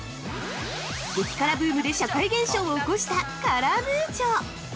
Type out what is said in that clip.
激辛ブームで社会現象を起こした「カラムーチョ」！